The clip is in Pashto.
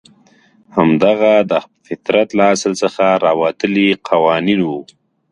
همدغه د فطرت له اصل څخه راوتلي قوانین وو.